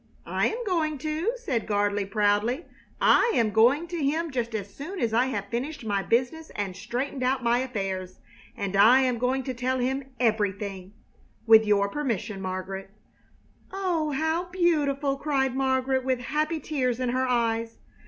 "I am going to," said Gardley, proudly. "I am going to him just as soon as I have finished my business and straightened out my affairs; and I am going to tell him everything with your permission, Margaret!" "Oh, how beautiful!" cried Margaret, with happy tears in her eyes.